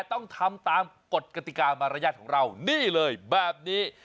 ต้องทำตามกฎกติกามารยาทของเรานี่เลยแบบนี้